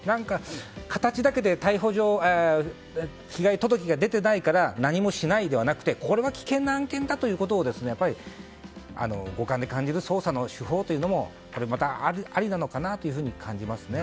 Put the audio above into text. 形だけで被害届が出ていないから何もしないではなくてこれは危険な案件だということをやっぱり五感で感じる捜査の手法というのもこれまたありなのかなというふうに感じますね。